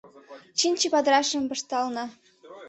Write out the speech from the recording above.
Чинче падырашым пыштална.